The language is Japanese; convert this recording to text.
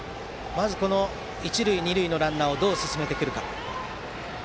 この一塁、二塁のランナーをどう進めてくるか。